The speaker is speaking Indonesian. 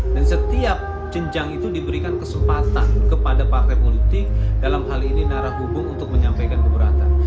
dan setiap jenjang itu diberikan kesempatan kepada partai politik dalam hal ini narah hubung untuk menyampaikan keberatan